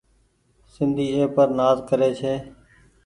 سندي اي پر نآز ڪري ڇي ۔